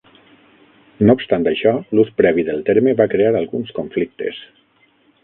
No obstant això, l'ús previ del terme va crear alguns conflictes.